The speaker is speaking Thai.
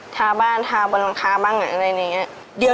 ทาบ้านทาบนหลังคาบ้างอะไรอย่างนี้